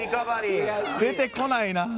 出てこないな。